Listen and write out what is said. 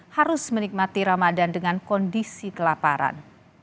harus menikmati ramadan dengan kondisi kelaparan